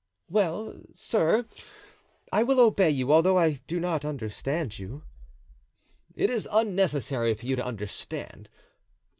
"Well, sir, I will obey you, although I do not understand you." "It is unnecessary for you to understand.